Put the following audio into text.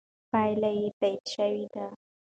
پایلې تایید شوې دي.